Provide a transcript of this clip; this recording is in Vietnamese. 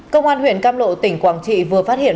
công an huyện cam lộ tỉnh quảng trị vừa phát hiện